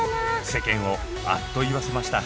世間をあっと言わせました。